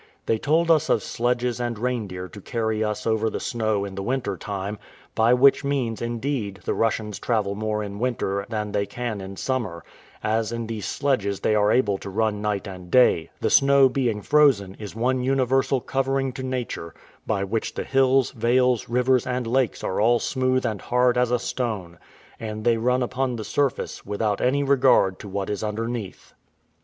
They told us of sledges and reindeer to carry us over the snow in the winter time, by which means, indeed, the Russians travel more in winter than they can in summer, as in these sledges they are able to run night and day: the snow, being frozen, is one universal covering to nature, by which the hills, vales, rivers, and lakes are all smooth and hard is a stone, and they run upon the surface, without any regard to what is underneath.